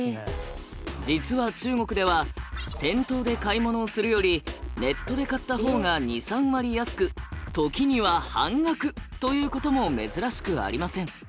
実は中国では店頭で買い物をするよりネットで買ったほうが２３割安く時には半額ということも珍しくありません。